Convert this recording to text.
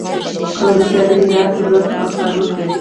که روسیه د هرات پر لور پرمختګ وکړي.